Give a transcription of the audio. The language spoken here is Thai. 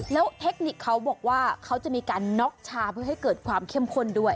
แล้วเทคนิคเขาบอกว่าเขาจะมีการน็อกชาเพื่อให้เกิดความเข้มข้นด้วย